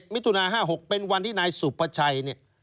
๗มิถุนา๕๖เป็นวันที่นายสุปชัย